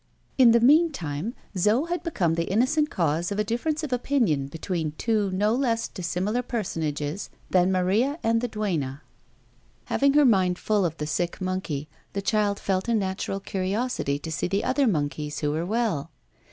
In the meantime, Zo had become the innocent cause of a difference of opinion between two no less dissimilar personages than Maria and the duenna. Having her mind full of the sick monkey, the child felt a natural curiosity to see the other monkeys who were well.